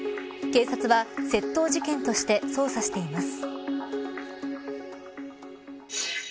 警察は窃盗事件として捜査しています。